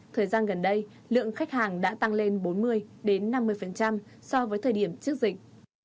thời gian gần đây lượng khách hàng đã tăng lên bốn mươi năm mươi so với thời điểm trước dịch